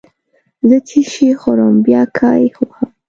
زه چې شی خورم بیا کای وهم